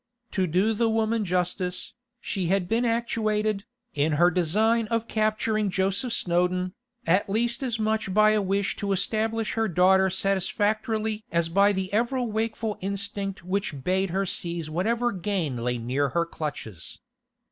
To do the woman justice, she had been actuated, in her design of capturing Joseph Snowdon, at least as much by a wish to establish her daughter satisfactorily as by the ever wakeful instinct which bade her seize whenever gain lay near her clutches.